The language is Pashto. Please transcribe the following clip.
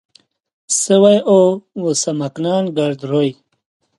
سوی اوه و سمکنان کرد روی